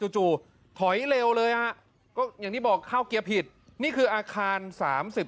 จู่ถอยเร็วเลยฮะก็อย่างที่บอกเข้าเกียร์ผิดนี่คืออาคารสามสิบ